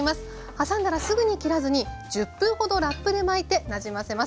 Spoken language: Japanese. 挟んだらすぐに切らずに１０分ほどラップで巻いてなじませます。